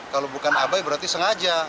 kalau bukan abai berarti sengaja